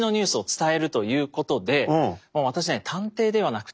私ね探偵ではなくて。